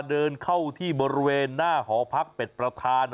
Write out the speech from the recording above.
เดินเข้าที่บริเวณหน้าหอพักเป็นประธาน